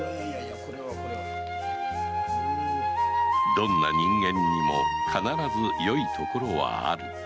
どんな人間にも必ずよいところはある